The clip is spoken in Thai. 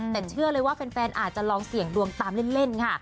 แต่เชื่อเลยว่าแฟนอาจจะลองเสี่ยงดวงตามเล่นค่ะ